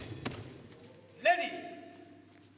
レディー。